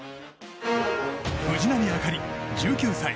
藤波朱理、１９歳。